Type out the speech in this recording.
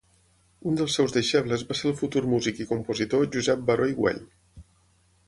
Un dels seus deixebles va ser el futur músic i compositor Josep Baró i Güell.